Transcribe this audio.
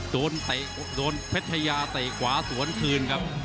โดนเพจายาเตะหวาสวนคืนครับ